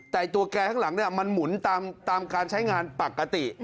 แต่ตัวแกข้างหลังมันหมุนตามการใช้งานปกติ